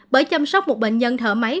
bởi chăm sóc một bệnh nhân thở máy